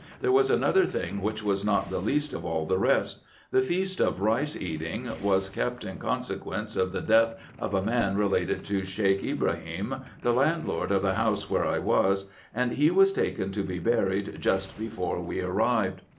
There was another thing which was not the least of all the rest. The feast of rice eating was kept in consequence of the death of a man related to Sheik Ibrahim, the landlord of the house where I was, and he was taken to be buried just before we arrived.